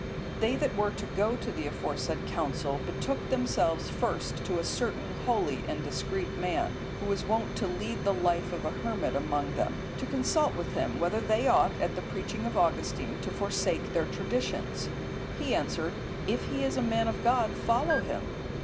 They that were to go to the aforesaid council, betook themselves first to a certain holy and discreet man, who was wont to lead the life of a hermit among them, to consult with him, whether they ought, at the preaching of Augustine, to forsake their traditions. He answered, "If he is a man of God, follow him."